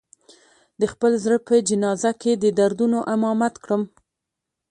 د خپل زړه په جنازه کې د دردونو امامت کړم